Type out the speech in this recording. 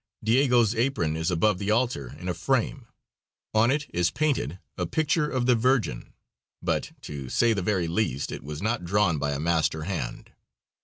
Diego's apron is above the altar in a frame. On it is painted a picture of the Virgin, but, to say the very least, it was not drawn by a master hand.